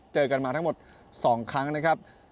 เจอกันมาทั้งหมด๒ครั้งนะครับ